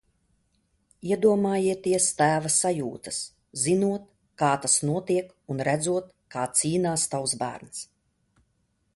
Iedomājieties tēva sajūtas, zinot kā tas notiek un redzot kā cīnās tavs bērns.